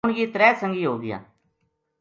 ہن یہ ترے سنگی ہو گیا